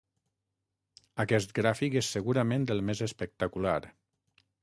Aquest gràfic és segurament el més espectacular.